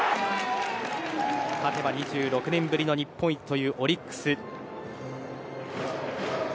勝てば２６年ぶりの日本一というオリックス。